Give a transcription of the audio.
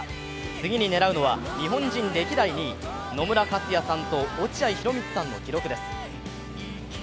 次に狙うのは日本人歴代２位野村克也さんと落合博満さんの記録です。